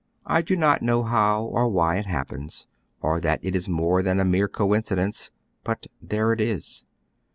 I do not know how or why it happens, or that it is more than a mere coincidence. But there it is.